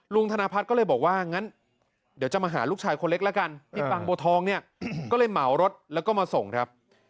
ลุงธนพัฒน์ก็เลยบอกว่าเดี๋ยวจะมาหาลูกชายคนเล็กละกันพี่ปังโบทองก็เลยเหมารถแล้วก็มาส่งครับ